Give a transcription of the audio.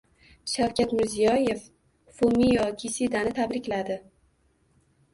Shavkat Mirziyoyev Fumio Kisidani tabrikladi